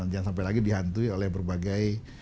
jangan sampai lagi dihantui oleh berbagai